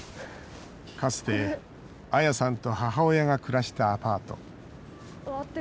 かつて、アヤさんと母親が暮らしたアパート。